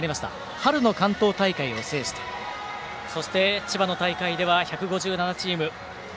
春の関東大会を制してそして、千葉の大会では１５７チーム